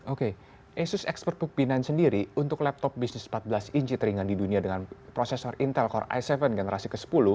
oke asus expertbook b sembilan sendiri untuk laptop bisnis empat belas inci teringat di dunia dengan prosesor intel core i tujuh generasi ke sepuluh